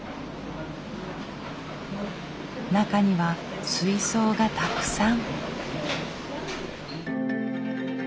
中には水槽がたくさん。